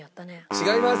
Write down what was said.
違います。